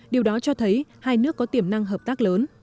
điều đó cho thấy hai nước có tiềm năng hợp tác lớn